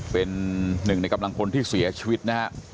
เป็นหนึ่งในกำลังพลที่เสียชีวิตนะฮะ